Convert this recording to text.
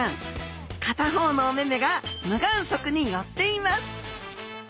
片方のお目々が無眼側に寄っています。